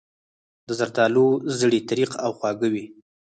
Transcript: د زردالو زړې تریخ او خوږ وي.